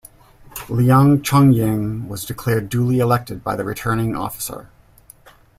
Leung Chun-ying was declared duly elected by the Returning Officer.